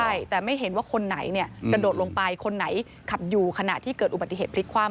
ใช่แต่ไม่เห็นว่าคนไหนเนี่ยกระโดดลงไปคนไหนขับอยู่ขณะที่เกิดอุบัติเหตุพลิกคว่ำ